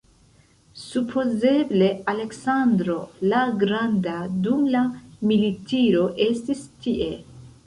Supozeble Aleksandro la Granda dum la militiro estis tie.